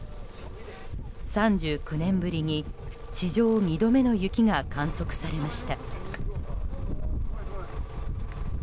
３９年ぶりに史上２度目の雪が観測されました。